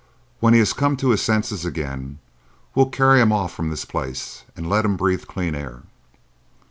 When he has come to his senses again we'll carry him off from this place and let him breathe clean air.